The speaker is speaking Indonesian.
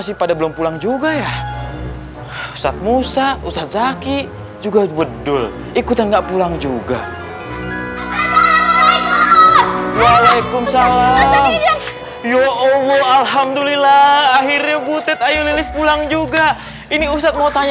sampai jumpa di video selanjutnya